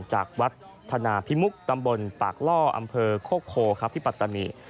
จากวัดธนาพิมุกตำบลปากล่ออำเภอโคกโพครับที่ปัตตานี